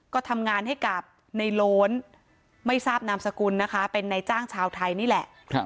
ก็ทำงานให้กับในโล้นไม่ทราบนามสกุลนะคะเป็นนายจ้างชาวไทยนี่แหละ